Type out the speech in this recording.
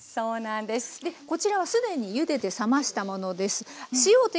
こちらは既にゆでて冷ましたものです。